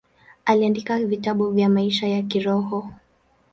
Aliandika vitabu vya maisha ya kiroho.